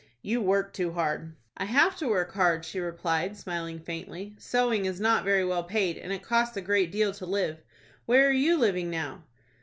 "You work too hard." "I have to work hard," she replied, smiling faintly. "Sewing is not very well paid, and it costs a great deal to live. Where are you living now?"